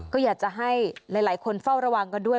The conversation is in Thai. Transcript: ก็อยากจะให้หลายคนเฝ้าระวังกันด้วย